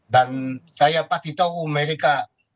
dan saya pasti tahu mereka